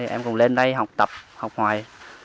em cũng lên đây học tập học hoài